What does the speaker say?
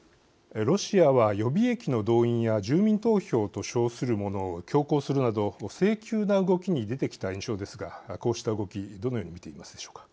ロシアは予備役の動員や住民投票と称するものを強行するなど性急な動きに出てきた印象ですがこうした動きどのように見ていますでしょうか。